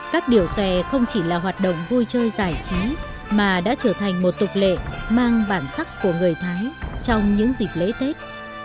các điểu xòe không chỉ là hoạt động vui chơi giải trí mà đã trở thành một tục lệ mang bản sắc của người thái trong những dịp lễ tết